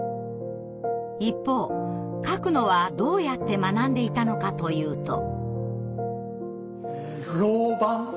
一方書くのはどうやって学んでいたのかというと。